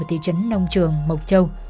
ở thị trấn nông trường mộc châu